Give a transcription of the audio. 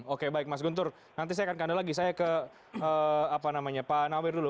oke baik mas guntur nanti saya akan ke anda lagi saya ke pak nawir dulu